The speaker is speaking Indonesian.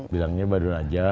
bilangnya badron aja